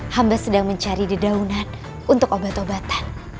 hamba sedang mencari di daunan untuk obat obatan